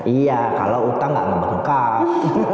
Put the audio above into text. iya kalau utang nggak ngebek bekang